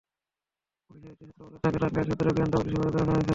পুলিশের একটি সূত্র বলেছে, তাঁকে টাঙ্গাইল সদরে গোয়েন্দা পুলিশের হেফাজতে রাখা হয়েছে।